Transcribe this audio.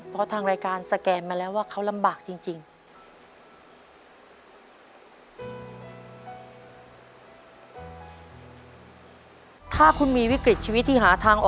เพราะทางรายการสแกนมาแล้วว่าเขาลำบากจริง